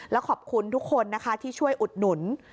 แล้วขอบคุณทุกคนนะคะที่ช่วยอุดหนุน